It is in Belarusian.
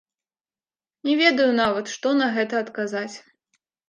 Не ведаю нават, што на гэта адказаць.